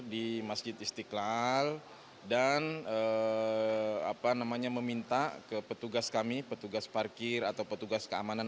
kami juga memiliki lahan parkir di masjid istiqlal dan meminta ke petugas kami petugas parkir atau petugas keamanan